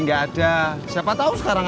tadi gak ada siapa tau sekarang ada